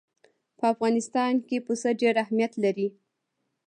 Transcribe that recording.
په افغانستان کې پسه ډېر اهمیت لري.